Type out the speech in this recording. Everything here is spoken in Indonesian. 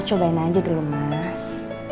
cobain aja dulu mas